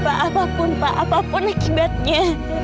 apapun pak apapun akibatnya